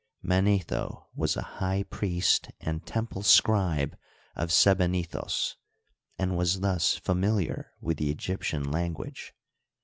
Manetho was a high priest and temple scribe of Sebenny thos, and was thus familiar with the Egyptian language.